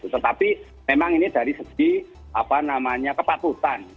tetapi memang ini dari segi apa namanya kepatutan